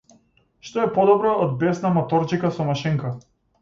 Што е подобро од бесна моторџика со машинка?